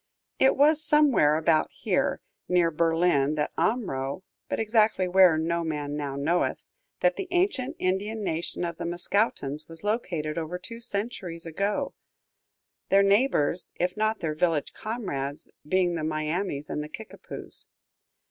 It was somewhere about here, nearer Berlin than Omro, but exactly where, no man now knoweth, that the ancient Indian "nation" of the Mascoutins was located over two centuries ago; their neighbors, if not their village comrades, being the Miamis and the Kickapoos.